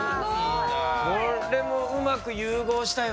これもうまく融合したよね。